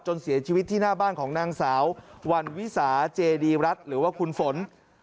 เสียชีวิตที่หน้าบ้านของนางสาววันวิสาเจดีรัฐหรือว่าคุณฝน